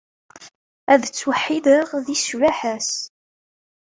Ad ttweḥḥideɣ di ccbaḥa-s.